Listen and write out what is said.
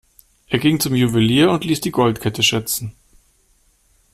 Er ging zum Juwelier und ließ die Goldkette schätzen.